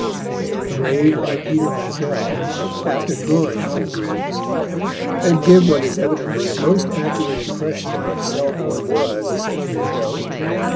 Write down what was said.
They are engraved by Peter Mazell, after drawings of Grimm's, and give what is evidently a most accurate impression of what Selborne was a century ago.